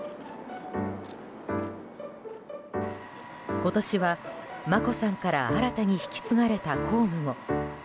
今年は眞子さんから新たに引き継がれた公務も。